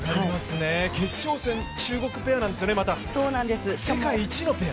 決勝戦、中国ペアなんですよね、また、世界１位のペア。